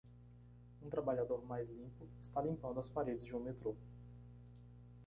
Um trabalhador mais limpo está limpando as paredes de um metrô.